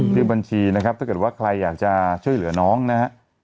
เรียกบัญชีนะครับถ้าเกิดว่าใครอยากจะช่วยเหลือน้องนะฮะ